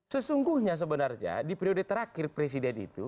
sesungguhnya sebenarnya di periode terakhir presiden itu